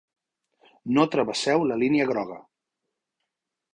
No travesseu la línia groga.